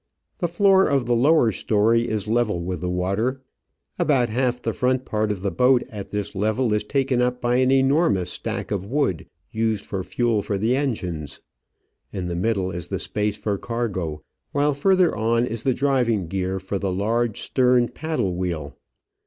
The floor of the lower storey is level with the water; about half the front part of the boat at this level is taken up by an enormous stack of wood, used for fuel for the engines. In the middle is the space for cargo, while further on is the driving gear for the large stern paddle wheel.